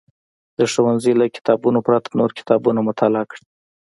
د ښوونځي له کتابونو پرته نور کتابونه مطالعه کړي.